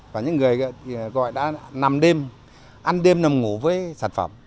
và những người gọi đã nằm đêm ăn đêm nằm ngủ với sản phẩm